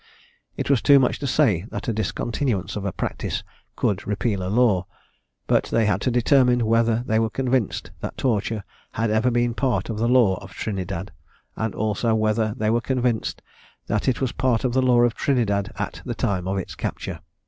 It was too much to say, that a discontinuance of a practice could repeal a law; but they had to determine whether they were convinced that torture had ever been part of the law of Trinidad; and also whether they were convinced that it was part of the law of Trinidad at the time of its capture.